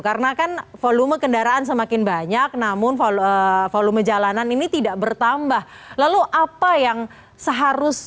karena kan volume kendaraan semakin banyak namun volume jalanan ini tidak bertambah